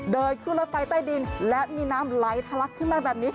เดินขึ้นรถไฟใต้ดินและมีน้ำไหลทะลักขึ้นมาแบบนี้